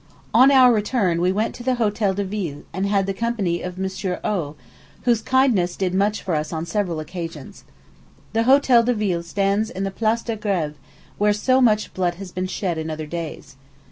On our return we went to the Hotel de Ville, and had the company of M. O n, whose kindness did much for us on several occasions. The Hotel de Ville stands in the Place de Grève, where so much blood has been shed in other days.